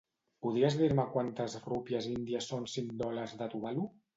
Podries dir-me quantes rúpies índies són cinc dòlars de Tuvalu?